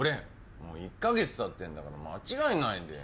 もう１カ月経ってるんだから間違えないでよ。